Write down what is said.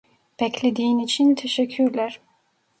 Beklediğin için teşekkürler.